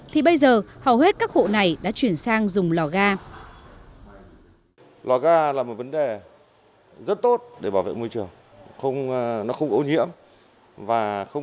thì bây giờ hầu hết các hộ này đã chuyển sang dùng lò ga